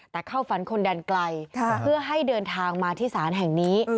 แต่เข้าฝันคนแดนไกลเพื่อให้เดินทางมาที่ศาลแห่งนี้